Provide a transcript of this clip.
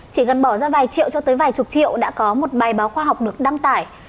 chỉ cần bỏ ra vài triệu cho tới vài chục triệu đã có một bài báo khoa học được đăng tải